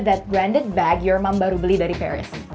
that branded bag your mom baru beli dari paris